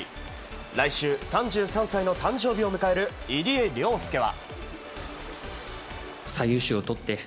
来週、３３歳の誕生日を迎える入江陵介は。